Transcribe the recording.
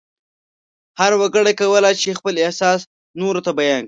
هر وګړی کولای شي خپل احساس نورو ته بیان کړي.